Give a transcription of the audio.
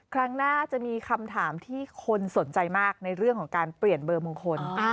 ครั้งหน้าจะมีคำถามที่คนสนใจมากในเรื่องของการเปลี่ยนเบอร์มงคล